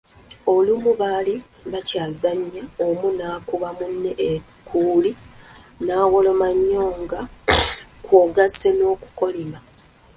Olumu baali bakyazannya omu naakuba munne ekkuuli nawoloma nnyo nga kwogasse n’okukolima.